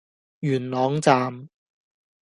元朗站